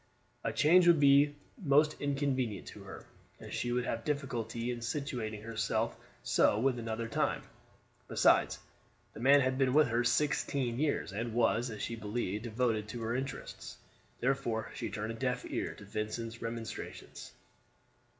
A change would be most inconvenient to her, and she would have difficulty in suiting herself so well another time. Besides, the man had been with her sixteen years, and was, as she believed, devoted to her interests. Therefore she turned a deaf ear to Vincent's remonstrances.